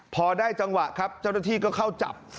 พอได้จังหวะครับเจ้าหน้าที่ก็เข้าจับ